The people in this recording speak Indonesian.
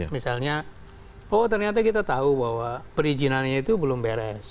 misalnya oh ternyata kita tahu bahwa perizinannya itu belum beres